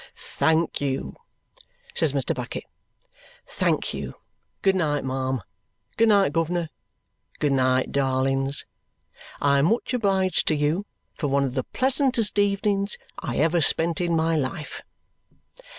"Thank you," says Mr. Bucket, "thank you. Good night, ma'am. Good night, governor. Good night, darlings. I am much obliged to you for one of the pleasantest evenings I ever spent in my life."